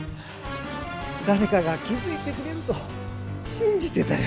だれかが気づいてくれるとしんじてたよ。